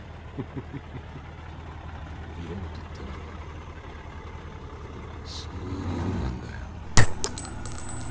色事ってのはなそういうものなんだよ。